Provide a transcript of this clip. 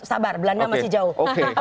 sabar belanda masih jauh